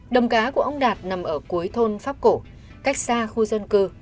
đồng cá của ông đạt nằm ở cuối thôn pháp cổ cách xa khu dân cư